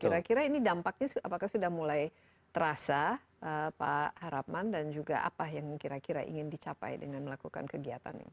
kira kira ini dampaknya apakah sudah mulai terasa pak harapman dan juga apa yang kira kira ingin dicapai dengan melakukan kegiatan ini